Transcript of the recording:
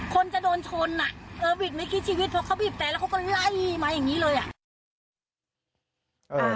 คนจะโดนชนอ่ะเออบีบไม่คิดชีวิตเพราะเขาบีบแต่แล้วเขาก็ไล่มาอย่างนี้เลยอ่ะ